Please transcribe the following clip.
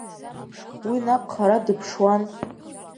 Уи наҟ хара дыԥшуан.